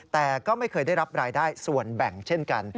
แต่ก็ไม่เคยได้รับรายได้ส่วนแบ่งเช่นกัน